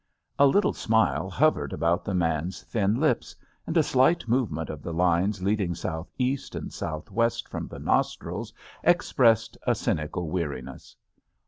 A little smile hovered about the man's thin lips, and a slight movement of the lines leading southeast and southwest from the nostrils ex pressed a cynical weariness.